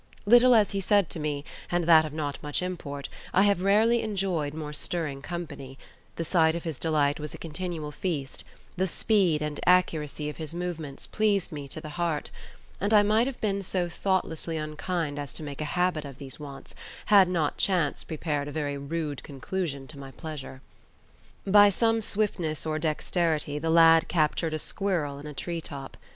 Little as he said to me, and that of not much import, I have rarely enjoyed more stirring company; the sight of his delight was a continual feast; the speed and accuracy of his movements pleased me to the heart; and I might have been so thoughtlessly unkind as to make a habit of these wants, had not chance prepared a very rude conclusion to my pleasure. By some swiftness or dexterity the lad captured a squirrel in a tree top.